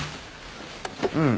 うん。